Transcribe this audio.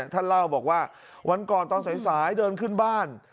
ท่านเล่าบอกว่าวันก่อนตอนสายเดินขึ้นบ้าน